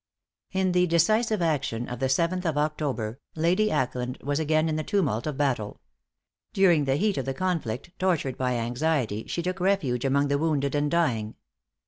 In the decisive action of the seventh of October, Lady Ackland was again in the tumult of battle. During the heat of the conflict, tortured by anxiety, she took refuge among the wounded and dying.